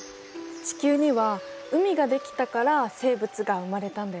地球には海が出来たから生物が生まれたんだよね。